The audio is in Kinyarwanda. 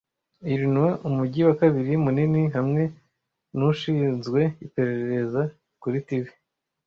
Illinois umujyi wa kabiri munini hamwe nushinzwe iperereza kuri TV